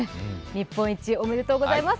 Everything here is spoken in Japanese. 日本一、おめでとうございます。